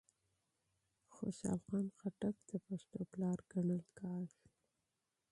خوشحال خان خټک د پښتو پلار ګڼل کېږي